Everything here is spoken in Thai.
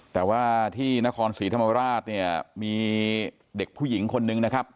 แต่ว่าที่นครศรีธรรมราชเนี่ยมีเด็กผู้หญิงคนนึงนะครับ